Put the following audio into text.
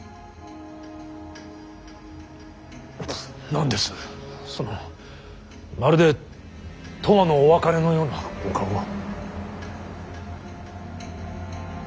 何ですそのまるで永遠のお別れのようなお顔は。